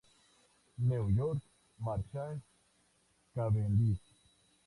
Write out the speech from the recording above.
New York: Marshall Cavendish.